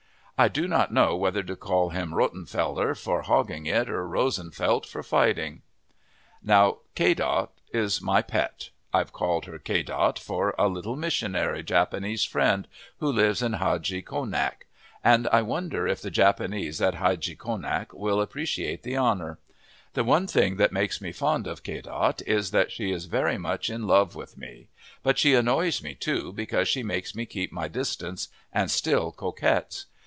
I do not know whether to call him Rottenfeller for hogging it, or Rosenfelt for fighting. Now Kadott is my pet. I've called her Kadott for a little missionary Japanese friend, who lives at Hadji Konak, and I wonder if the Japanese at Hadji Konak will appreciate the honor? The one thing that makes me fond of Kadott is that she is very much in love with me; but she annoys me, too, because she makes me keep my distance and still coquettes.